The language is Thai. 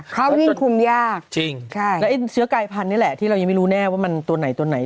เขาวิ่งคุมยากจริงใช่แล้วไอ้เชื้อกายพันธุ์นี่แหละที่เรายังไม่รู้แน่ว่ามันตัวไหนตัวไหน